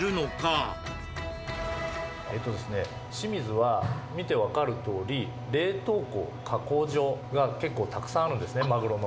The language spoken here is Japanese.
清水は、見て分かるとおり、冷凍庫、加工場が結構たくさんあるんですね、マグロの。